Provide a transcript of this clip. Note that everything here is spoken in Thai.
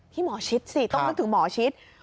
ที่หมอชิตสิต้องรู้ถึงหมอชิต